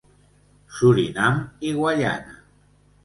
Surinam i Guaiana.